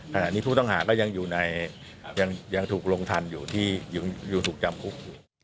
แต่อันนี้ทุกต่างหาก็ยังอยู่ในยังถูกลงทันอยู่ที่อยู่ถูกจำคุก